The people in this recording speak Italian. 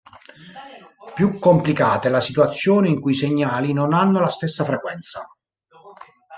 Più complicata è la situazione in cui i segnali non hanno la stessa frequenza.